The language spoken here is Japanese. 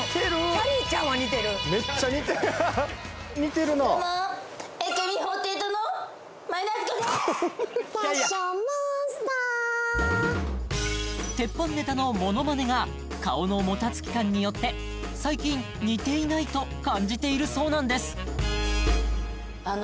君にどうも鉄板ネタのモノマネが顔のもたつき感によって最近似ていないと感じているそうなんですあの